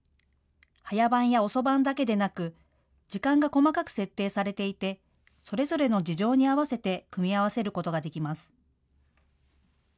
早番や遅番だけでなく時間が細かく設定されていてそれぞれの事情に合わせて組み合わせることができます。